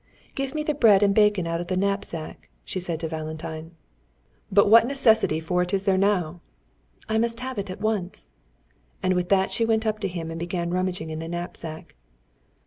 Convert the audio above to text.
"Give me the bread and bacon out of the knapsack," said she to Valentine. "But what necessity for it is there now?" "I must have it at once." And with that she went up to him and began rummaging in the knapsack.